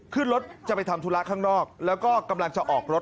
ขึ้นรถจะไปทำธุระข้างนอกแล้วก็กำลังจะออกรถ